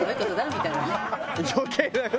みたいなね。